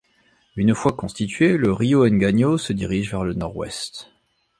Une fois constitué, le río Engaño se dirige vers le nord-ouest.